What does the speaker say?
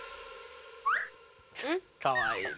かわいいね。